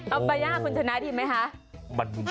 เอาประยะคุณจะน้าทีไหมคะ